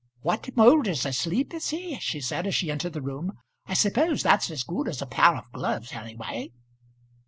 "What Moulder's asleep is he?" she said as she entered the room. "I suppose that's as good as a pair of gloves, any way."